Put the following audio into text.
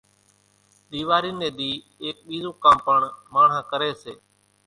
ۮيواري نين ۮي ايڪ ٻيزون ڪام پڻ ماڻۿان ڪري سي